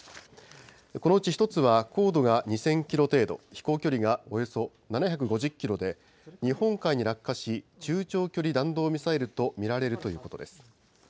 このうち１つは高度が２０００キロ程度、飛行距離がおよそ７５０キロで、日本海に落下し、中長距離弾道ミサイルと見られるということです。